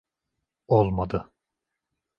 Olmadı.